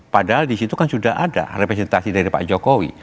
padahal di situ kan sudah ada representasi dari pak jokowi